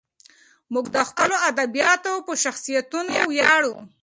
موږ د خپلو ادیبانو په شخصیتونو ویاړو.